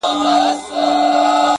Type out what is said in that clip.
دا چي دي شعرونه د زړه جيب كي وړي،